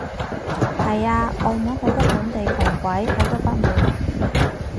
係啊，澳門好多本地窮鬼，好多不滿